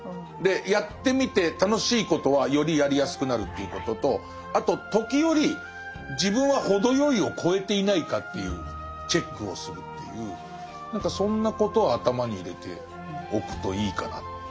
やってみて楽しいことはよりやりやすくなるということとあと時折自分は程よいを超えていないかというチェックをするっていう何かそんなことを頭に入れておくといいかな。